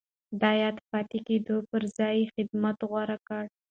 د ياد پاتې کېدو پر ځای يې خدمت غوره کړ.